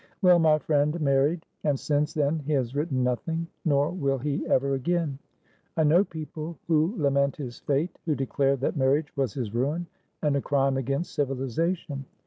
Well, my friend married, and since then he has written nothing, nor will he ever again. I know people who lament his fate, who declare that marriage was his ruin, and a crime against civilisation.